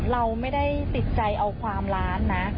เราไม่ได้ติดใจเอาความล้านนะ